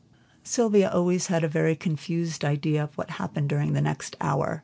Sylvia always had a very confused idea of what happened during the next hour.